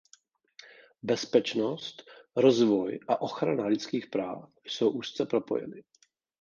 Bezpečnost, rozvoj a ochrana lidských práv jsou úzce propojeny.